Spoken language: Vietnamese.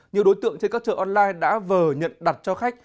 nhiều đối tượng trên các chợ online đã vờ nhận đặt cho khách